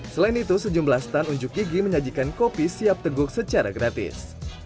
selain itu sejumlah stand unjuk gigi menyajikan kopi siap teguk secara gratis